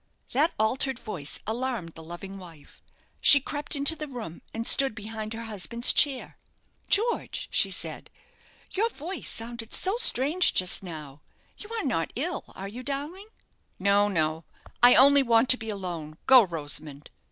That altered voice alarmed the loving wife. She crept into the room, and stood behind her husband's chair. "George," she said, "your voice sounded so strange just now; you are not ill, are you, darling?" "No, no; I only want to be alone. Go, Rosamond."